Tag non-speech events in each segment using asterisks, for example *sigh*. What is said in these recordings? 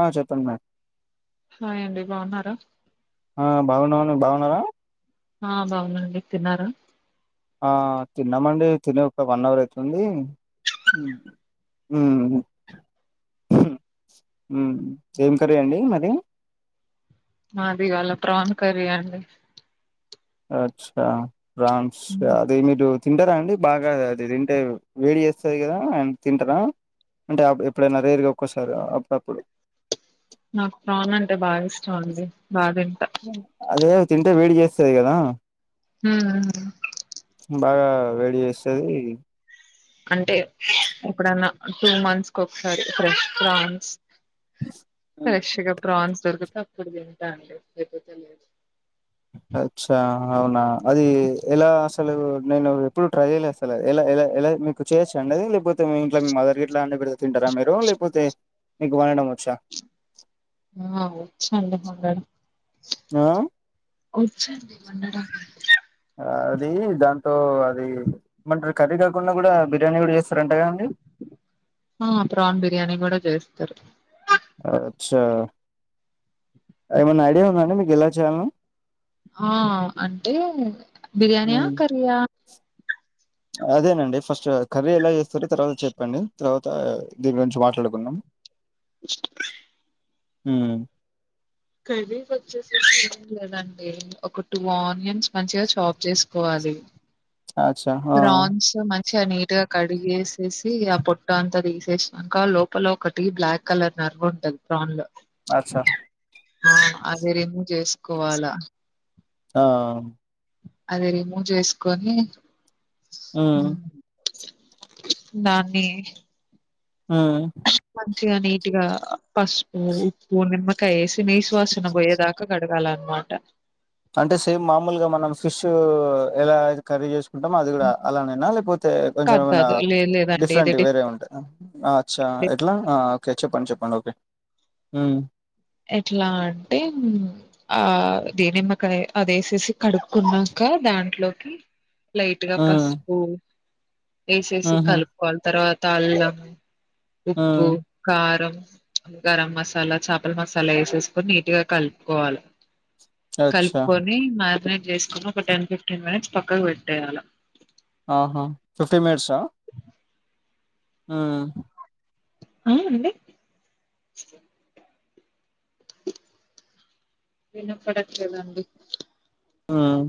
ఆ చెప్పండి madam hi అండి బాగున్నారా ఆ బాగున్నామండి బాగున్నారా ఆ బాగునండి తిన్నారా ఆ తిన్నామండి తిని ఒక వన్ అవర్ అవుతుంది ఉ ఊ ఏం కర్రీ అండి మరి మాది ఇవాళ ప్రాన్ కర్రీ అండి అచ్చా ఫ్రాన్స్ అదే మీరు తింటరా అండి బాగా అది తింటే వేడి చేస్తది కదా అండ్ తింటరా అంటే ఎప్పుడైనా రేర్గా ఒక్కొసారి అప్పుడప్పుడు నాకు ప్రాన్ అంటే బాగా ఇష్టం అండి బాగా తింటా అదే తింటే వేడి చేస్తది కదా హ్మ్ బాగా వేడి చేస్తది అంటే ఎప్పుడన్నా టూ మంత్స్ ఒకసారి ఫ్రెష్ ప్రాన్ ఫ్రెష్గా ప్రాన్స్ కుదిర్తే అప్పుడు తింటా అండి లేకపోతే లేదు అచ్చా అవునా అది ఎలా అసలు నేను ఎప్పుడు ట్రై చేయలే అసల్ ఎలా ఎలా మీకు చేయొచ్చ అండి లేకపో తే మీ ఇంట్ల మీ మదర్ గట్ల అండి పెడ్త తింటరా మీరు లేకపోతే మీకు వండడం వచ్చా ఆచ్చండి వండడం ఆ ఒచ్చండి వండడం అది దాంతో అది మంట కర్రీ కాకుండా గుడా బిర్యానీ గుడా చేస్ ఆ ప్రాన్ బిర్యానీ గుడా చేస్ తరు అచ్చ ఏమన్నా ఐడియా ఉందా అండి మీకు ఎలా చేయాల్నో ఆ అంటే బిర్యానియా మ్మ్ కర్రీయా అదేనండి ఫస్ట్ కర్రీ ఎలా చేస్ సరే తర్వాత చెప్పండి తర్వా త దీని గురించి మాట్లాడుకున్నాం హ్ కర్రీ వచ్చేసేసి ఏం లేదండి ఒక టూ ఆనియన్స్ మంచిగా చాప్ చేసుకోవాలి. అచ్చా ఆ ప్రాన్స్ మంచిగా నీటిగా కడిగేసేసి ఆ పొట్టంతా తీసేసినంక లోపల ఒకటి బ్లాక్ కలర్ నర్వ్ ఉంటది ప్రాన్లో అచ్చా ఆ అది రిమూ చే కోవాలా ఆ అదే రిమూవ్ చేసుకొని ఉ ఉమ్, దాన్ని మ్మ్ మంచిగా నీట్గా పసుపు, ఉప్పు, నిమ్మకాయి ఏస్ నీసు వాసన పోయేదాకా కడు కడగాలా అనమాట అంటే సేమ్ మామూలుగా మనం ఫిష్ ఎలాయితే కర్రీ చేసుకో ఉంటాం అది కూడా అలానైనా లేకపోతే కొంచెం కాదు ఏమనా కాదు లేదు లేదండి ఇది డిఫరెంట్ వేరే ఉంటాయి అచ్చా ఎట్లా ఓకే చెప్పండి చెప్పండి ఓకే హ్మ్ ఎట్లా అంటే అదే నిమ్మకాయ అది వేసేసి కడుక్కున్నాక దాంట్లోకి లైట్ గా హ్మ్. పసుపు వేసేసి హుహు. కలుపుకోవాలి తర్వా తల్లా ఉప్పు హ్మ్. కారం గరం మసాలా చ మటన్ మసాలా వేసేసుకొని నీట్ గా కలుపుకోవాలి అచ్చా! కలుపుకొని మ్యారినేట్ జేసుకుని ఒక టెన్ ఫిఫ్టీన్ మినిట్స్ పక్కగ పెట్టేయ్యాలా ఆహా ఫిఫ్టీ మినిట్స్ ఆ హ్మ్ ఆ అండి వినపడట్లేదండి హ్మ్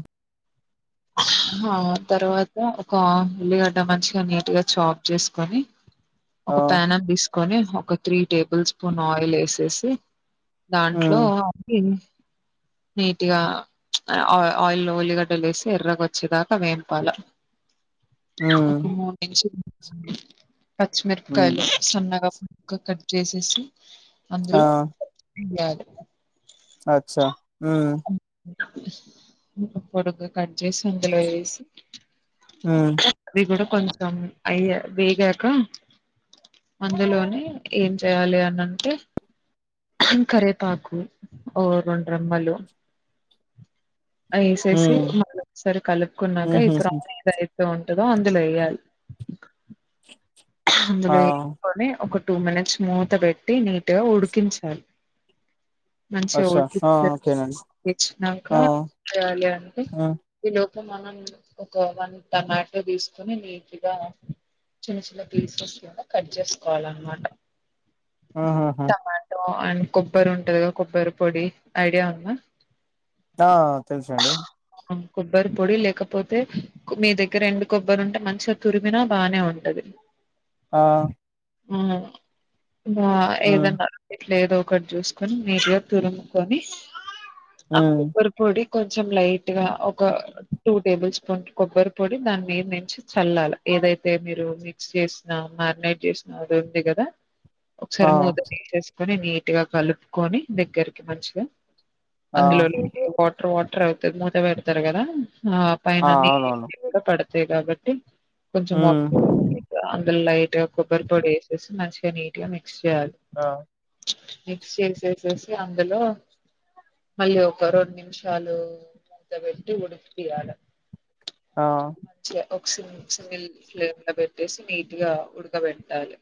ఆ తర్వాత ఒక ఉల్లిగడ్డ మంచిగా నీట్గా చాప్ చేసుకొని ఆ! ఒక ప్యానం తీసు కొని ఒక త్రీ టేబుల్ స్పూన్ ఆయిల్ ఏసేసి దాంట్లో హ్మ్. అది నీట్గా ఆ ఆయిల్లో ఉల్లిగడ్డలు వేసి ఎర్రగొచ్చేదాకా వేంపాల ఒక హ్మ్. మూడు నుంచి అ హ్మ్. పచ్చిమిరపకాయలు సన్నగా కట్ చేసేసి ఆ! అందులో *unintelligible* లు అచ్చా హ్మ్ పొరుగు కట్ చేసి ఇందులో ఏసి హ్మ్ కొంచెం అయ వేగాక అందులోనే ఏం చేయాలి అనంటే కరవేపాకు ఓ రెండు రెమ్మలు ఏసేసి హ్మ్. మళ్ళ ఒకసారి కలుపుకున్నాక ఇక్కడ హుహుహు. ఏదయితు ఉం కదా అందులేయల్ ఆ! అందులో ఏస్కొని ఒక టూ మినిట్స్ మూత పెట్టి నీటిగా ఉడికించాలి మంచిగ అచ్చా! ఆ! ఓకేనండి. ఉడికించినంక ఆ! దింపేయాలి అంటే హ్మ్. ఈలోప్ ఇ మనం ఒక వన్ టమాటో తీసుకొని నీట్గా చిన్న చిన్న పీసెస్ లాగా కట్ చేసుకోవాలన్నమాట ఆహాహా టమాటో అండ్ కొబ్బరి ఉంటదిగా కొబ్బరి పొడి ఐడియా ఉందా ఆ తెలుసండి ఆ! కొబ్బరి పొడి లేకపోతే మీ దగ్గర ఎండు కొబ్బరుంటే మంచిగా తురిమినా బానే ఉంటది ఆ హ్మ్ బా హ్మ్. ఏదన్నా ఇట్ల ఏదో ఒకటి చూసుకొని నీట్గా తురుముకొని అ ఉమ్ కొబ్బరిపొడి కొంచెం లైట్ ట్ గ ఒక టూ టేబుల్ స్పూన్ కొబ్బరి పొడి దాని మీద్ నించి చల్లాల ఏదైతే మీరు మిక్స్ చేసినా మాగ్నైట్ చేసినది ఉంది కదా. ఆ ఒకసారి మూత తీసేస్ ని నీట్ గా కలుపుకొని దగ్గరికి మంచిగా ఆ అందులో నీళ్ళు వాటర్ వాట్ ట్రై త మూత్ పెడతారు కదా ఆ పైనన్ని పడ్ తే కాబట్టి కొంచెం మొ ఉమ్ అందులో లైట్గా కొబ్బరి పొడి ఏసేసి మంచి నీట్ గా మిక్స్ చేయాల్ ఆ మిక్స్ చేసేసేసి అందులో మళ్ళీ ఒక రొండ్ నిమిషాలు మూతపెట్టి ఉడికిపియాల ఆ ఒక సిమ్ సిమ్ ల్ ఫ్లేమ్ లో పెట్టేసి నీట్గా ఉడక పెట్టాలి.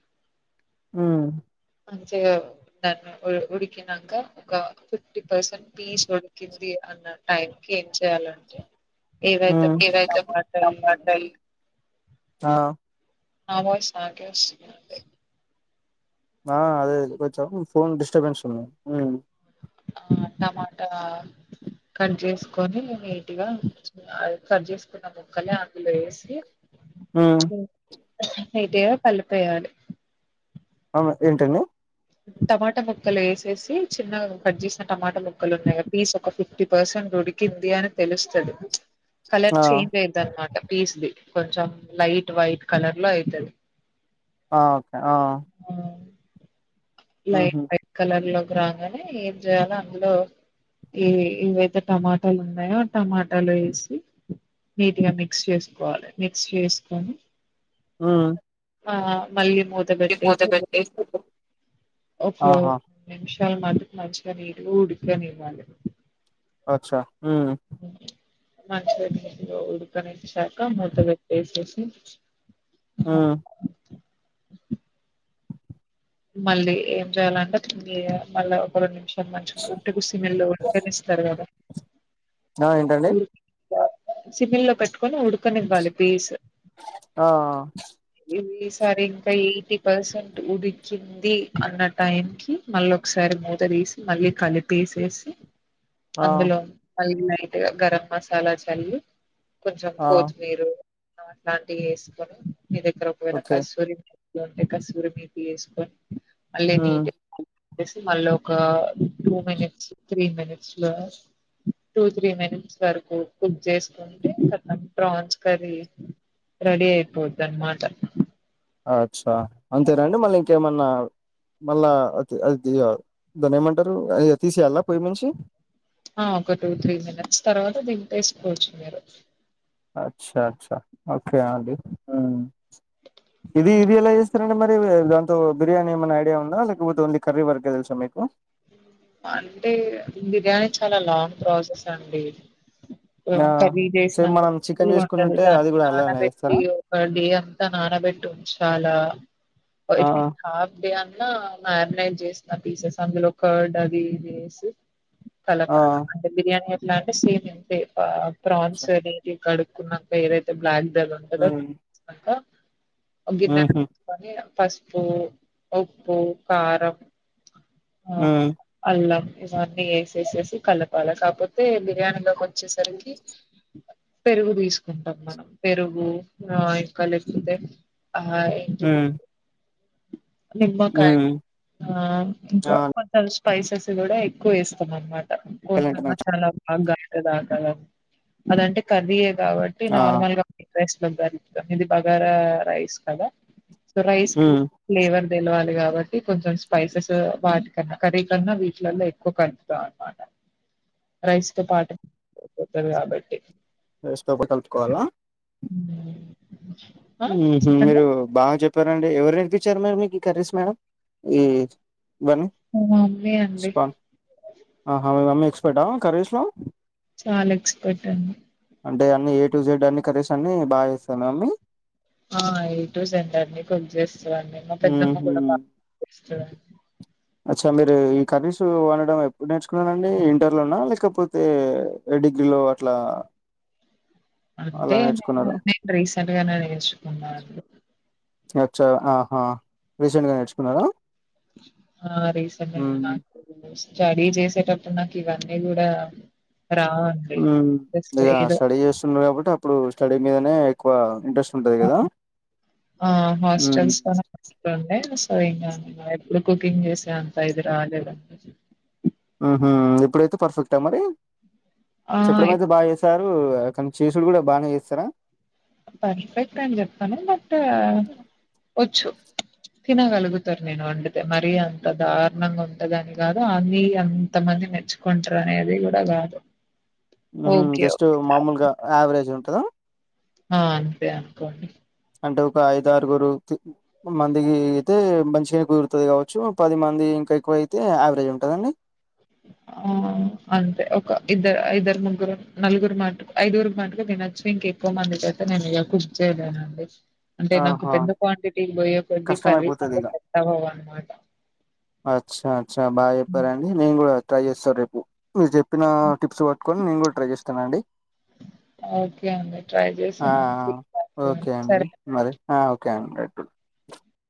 హ్మ్ మంచిగ దాన్ని ఉడికినాక ఒక ఫిఫ్టీ పర్సెంట్ పీస్ ఉడికినంక ది అన్న టైం ఏం చెయాలంటే బీరకాయల్ టమాటల్ ఆ నమసి సాకే వచ్చ ఆ అదే అదే కొచ్చా ఫోన్ డిస్టబెన్స్ ఉన్నాయి ఆ టమాటా కట్ చేసుకొని నీట్గా కట్ చేసుకున్న ముక్కలే అందులో ఏసి ఉ అయితే పలిపేయాలి అవున ఏంటండి టమాటా ముక్కల్ ఏసేసి చిన్నగ కట్ చేసిన టమాటా ముక్కలు ఉన్నాయ్ పీస్ ఒక ఫిఫ్టీ పర్సెంట్ ఉడికిద్ధి అని తెలుస్తది కలర్ ఆ చేంజ్ అయిద్ అన్నమాట పీస్ది కొంచెం లైట్ వైట్ కలర్లో అయితది ఆ ఆ లైట్ ఉహు వైట్ కలర్ లో రాగానే ఏం చేయాలో అందులో ఈ ఏవైతే టమాటాలు ఉన్నాయో టమాటాలు వేసి నీట్గా మిక్స్ చేసుకోవాలి మిక్స్ చేసుకొని ఆ ఆ పళ్లెం మూత పెట్టేసి ఓకే చాల మట్టుకు మంచిగా నీటుగా ఉడికనివ్వాలి అచ్చా మ్ మంచిగ నీటిగా ఉడకనించలి కమ్మతు వ్యక్తే స్ అ ఆ మళ్ళీ ఏం చెయాలంటే తి మళ్ళీ ఒక రెండు నిమిషం వాళ్ళు మంచిగుంటె గుసిమెల్లో ఉంటెనె ఇస్తారు కదా ఆ ఏంటండి సివిల్ లో పెట్టుకొని ఉడకనివ్వాలి పీస్ ఆ అ ఈ సారి ఇంకా ఎయిటీ పర్సెంట్ ఉడికి కింది అన్న టైం కి మళ్ళీ ఒకసారి మూత తీసి మళ్ళీ కలిపి ఏసేసి ఆ అందులో అ నీట్గా గరం మసాలా చల్లి కొంచెం ఆ కొత్తిమీరు అట్లాంటివి వేసుకొని మీ దగ్గర ఒకవేళ ఓకే కాస్సురి మేతి టే కసూరి మేతి ఎస్ అళ్లే ఉమ్ న మళ్ళ ఒక టూ మినిట్స్ త్రీ మినిట్స్ లో టూ త్రీ మినిట్స్ వరకు కుక్ చేసుకుంటే ఖతం ప్రాన్స్ కర్రీ రెడీ అయిపోద్ అనమాట అచ్చా అంతేనండి మళ్ళీ ఇంకేమన్నా మళ్ళా దాని ఏమంటారు అ తీసేయాలా పొయ్యి మించి ఆ ఒక టూ త్రీ మినిట్స్ తర్వాత దీన్ని దింపేసుకోవచ్చు మీరూ అచ్చా అచ్చా ఓకే ఆండి ఇది ఇది హ్మ్. ఎలా చేస్తారండి మరి ఇంకా బిర్యానీి ఎమన్నా ఐడియా ఉందా లేకపోతే ఓన్లీ కర్రి వరకె తెలుసా మీకు అంటే బిర్యానీ చాలా లాంగ్ ప్రాసెస్ అండి ఆ కర్రీ సేమ్ చేసినంత మనం సింపుల్ చికెన్ గా ఉండది చేసుకున్నట్టే అది దాన్ని కూడా అలానే నానబెట్టి చేస్తారా ఒక డే అంతా నానబెట్టి ఉంచాలా ఆ హాఫ్ డే అ మ్యారినేట్ చేస్తా పీసెస్ అందులో కర్డ్ అది ఇది వేసి కల ఆ అంటే బిర్యానీ ఇలాగే సేమ్ ఇంతే ప్రాన్స్ సరే. నీటు గా కడుకుని క ఏదైతే బ్లాక్ ఉమ్ *unintelligible* ఉహు గిన్నైపెట్టుకొని పసుపు ఉప్పు కారం అ ఆ అల్లం ఇవన్నీ వేసేసేసి కలపాలి కాకపోతే బిర్యానీ లోకి వచ్చే సరికి పెరుగు తీసుకుంటాం మనం పెరుగు ఆ ఇంకా లేకపోతే ఆ ఇంట ఉమ్ నిమ్మకాయ ఉమ్ ఆ ఆ ఇంకా త స్పైసెస్ కూడా ఎక్కువ వేస్తాం అన్న మాట అలాంటి మంచి చాలా బావుందట అధింటే కర్రీ కాబట్టి ఆ నార్మల్ గా *unintelligible* బగారా రైస్ కదా రైస్ ఉమ్ ఫ్లేవర్ తెలవాలి కాబట్టి కొంచెం స్పైసెస్ వాటికన్నా కర్రీ కన్నా వీటిలల్లో ఎక్కువ కలుపుతాం అన్నమాట రైస్ తో పాటు తుంది కాబట్టి రైస్ కలుపుకోవాలా హ్మ్. ఆ హ్మ్ హు చెప్పండి మీరు బాగా చెప్పారండి ఎవరు నేర్పి చ్చారు మేడం మీకు ఈ కర్రీస్ మేడం ఈ బన్ని మా మమ్మీ అండి స్పాన్ ఆ హా మీ మమ్మీ ఎక్స్పర్టా కర్రీస్ లో చాలా ఎక్స్పర్ట్ అండి అంటే అన్ని ఏ టు జెడ్ అన్ని కర్రీస్ అన్ని బాగా చేస్తద మీ మమ్మీ? ఆ ఏ టు జెడ్ అండి కుక్ చేస్ తదండి మా పెద్దమ్మ ఉహు కూడ బా చేస్తదండి అచ్చా మీరు ఈ కర్రీస్ వండడం ఎప్పుడు నేర్చుకున్నరండి ఇంటర్లోనా లేకపోతే డిగ్రీలో అట్లా అంటే అలా నేను, నేర్చుకున్నారా నేను రీసెంట్ గనే నేర్చుకున్నాను. అచ్చా ఆ హా రీసెంట్ గా నేర్చుకున్నరా ఆ రీసెంట్ గా నాకు స్టడీ చేసేటప్పుడు నాకు ఇవన్నీ గూడా మ్మ్ ఇగ స్టడీ చేస్తున్నారు కాబట్టి అ ప్పుడు స్టడీ మీదనే ఎక్కువ ఇంట్రెస్ట్ ఉంటది కదా ఆ ఉమ్ హాస్టల్స్ లోనే *inaudible* సో ఇకా ఇంగా ఎప్పుడు కుక్కింగ్ చేసే అంత ఇది రాలేదండి. ఆ హా ఇప్పుడైతే పర్ఫెక్టా మరీ ఆ చెప్పడం అయితే ఇప్ బాగ చేసారు కని చేసుడు కూడా బానే చేస్తరా పర్ఫెక్ట్ అని చెప్పను బట్ వచ్చు. తినగలుగుతారు నేను వండితే మరీ అంత దారుణంగా ఉంటదని కాదు, అనీ అంత మంది మెచ్చుకుంటారు అనేది కూడా కాదు. మ్మ్ ఓకే జస్ట్ ఓకే మాములుగా యావరేజ్ ఉం టదా ఆ అంతే అనుకోండి. అంటే ఒక ఐదు ఆరుగురు మందికి అయితే మంచిగనే కుదురుతది కావచ్చు, పది మంది ఇంకా ఎక్కువ అయితే యావరేజ్ ఉంటదా అండి? ఆ అంటే ఒక ఇద్ద ఇద్దరు, ముగ్గురు, నలుగురు మటు ఐదుగురు మట్టుకు తినొచ్చు. ఇంక ఎక్కువ మందికి అయితే నేను ఇగ కుక్ చేయలేనండి. అంటే నాకు ఆహా పెద్ద క్వాంటిటీ భయం. కష్టమైపోతది ఇగ, అచ్చా అచ్చ బాగా చెప్పారండి నేను గూడా ట్రై చేస్తా రేపు. మీరు చెప్పిన టిప్స్ పట్టుకొని నేను కూడా ట్రై చేస్తనండి. ఓకే అండి ట్రై చేసి ఆ నాకు ఆ, ఓకే *inaudible* అండి సరే మరి ఆ ఓకే అండి